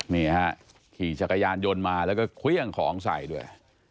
นี่ฮะขี่จักรยานยนต์มาแล้วก็เครื่องของใส่ด้วย